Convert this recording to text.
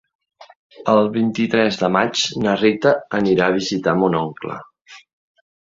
El vint-i-tres de maig na Rita anirà a visitar mon oncle.